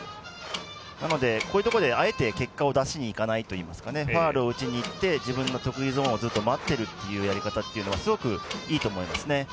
なのでこういうところであえて結果を出しにいかないといいますかねファウルを打ちにいって自分の得意ゾーンを待っているというやり方というのはすごくいいと思います。